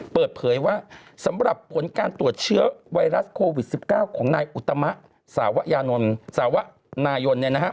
เปิดเผยว่าสำหรับผลการตรวจเชื้อไวรัสโควิด๑๙ของนายอุตมะสาวยานนท์สาวนายน